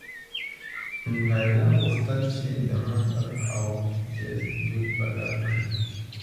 نایله غوښتل چې د مهر او جهیز دود بدل کړي.